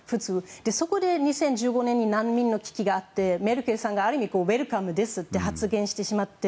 そこで２０１５年に難民の危機があってメルケルさんがある意味ウェルカムですと発言してしまって。